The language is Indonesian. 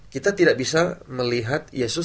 kita tidak bisa melihat yesus